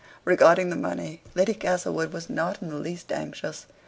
Regarding the money, Lady Castlewood was not in the least anxious.